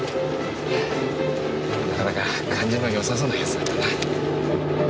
なかなか感じのよさそうなやつだったな。